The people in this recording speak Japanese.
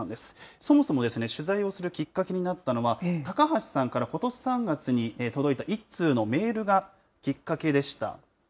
そもそも取材をするきっかけになったのは、高橋さんからことし３月に届いた１通のメールがきっかけでした。